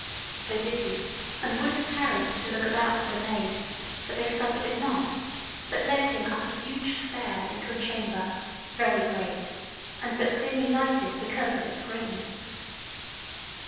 So did he, and would have tarried to look about for the Maid, but they suffered it not, but led him up a huge stair into a chamber, very great, and but dimly lighted because of its greatness.